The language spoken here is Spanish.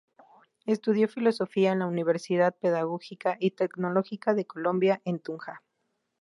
Estudió Filosofía en la Universidad Pedagógica y Tecnológica de Colombia en Tunja.